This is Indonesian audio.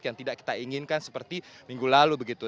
yang tidak kita inginkan seperti minggu lalu begitu